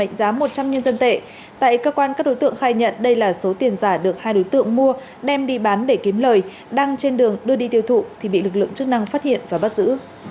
mẹ giá một trăm linh nhân dân tệ tại cơ quan các đối tượng khai nhận đây là số tiền giả được hai đối tượng mua đem đi bán để kiếm lời đăng trên đường đưa đi tiêu thụ thì bị lực lượng chức năng phát hiện và bắt giữ